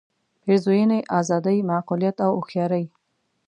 پېرزوینې آزادۍ معقولیت او هوښیارۍ.